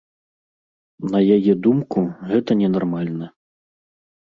На яе думку, гэта ненармальна.